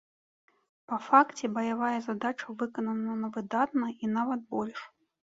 Па факце баявая задача выканана на выдатна і нават больш.